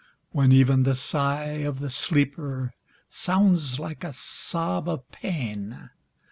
When even the sigh of the sleeper Sounds like a sob of pain.